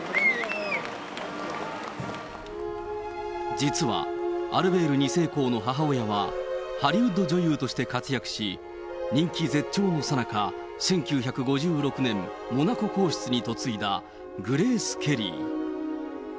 実はアルベール２世公の母親は、ハリウッド女優として活躍し、人気絶頂のさなか、１９５６年、モナコ公室に嫁いだグレース・ケリー。